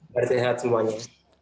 salam sehat semuanya